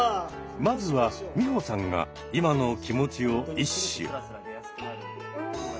まずは美穂さんが今の気持ちを一首。